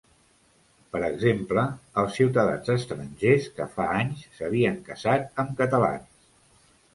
Per exemple, els ciutadans estrangers que fa anys s’havien casat amb catalans.